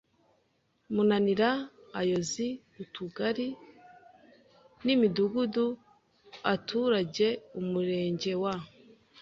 Munanira ayoozi ’utugari n’imidugudu aturage ’Umurenge wa